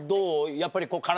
やっぱり。